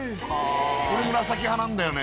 俺紫派なんだよね